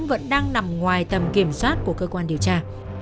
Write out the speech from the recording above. vẫn đang nằm ngoài tầm kiểm soát của cơ quan điều tra